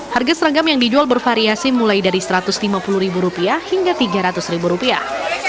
harga seragam yang dijual bervariasi mulai dari satu ratus lima puluh ribu rupiah hingga tiga ratus ribu rupiah